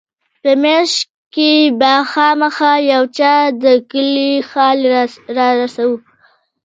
په مياشت کښې به خامخا يو چا د کلي حال رارساوه.